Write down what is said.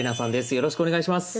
よろしくお願いします。